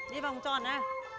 đi vòng tròn nè